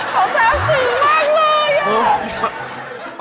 เขาแซมศีลมากเลย